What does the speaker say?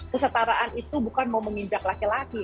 kesetaraan itu bukan mau menginjak laki laki